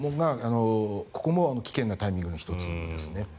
ここも危険なタイミングの１つですね。